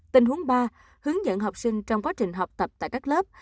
tình huống ba hướng dẫn học sinh trong quá trình học tập tại các lớp